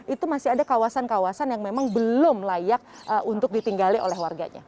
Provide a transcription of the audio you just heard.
itu masih ada kawasan kawasan yang memang belum layak untuk ditinggali oleh warganya